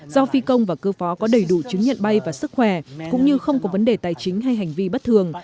do phi công và cơ phó có đầy đủ chứng nhận bay và sức khỏe cũng như không có vấn đề tài chính hay hành vi bất thường